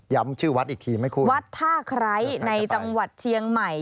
ชื่อวัดอีกทีไหมคุณวัดท่าไคร้ในจังหวัดเชียงใหม่